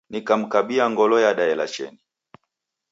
Nikamkabia ngolo yadaela cheni